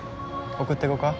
送っていこか？